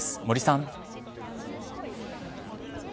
森さん。